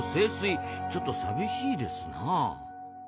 ちょっと寂しいですなあ。